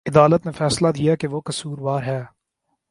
عدالت نے فیصلہ دیا کہ وہ قصوروار ہے